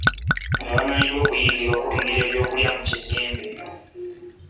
Bano bagaaniddwa okuyingira okutundira ebyokulya mu bizimbe.